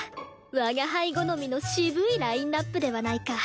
我が輩好みの渋いラインナップではないか。